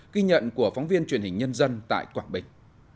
ghi nhận của phóng viên truyền hình nhân dân tại quảng bình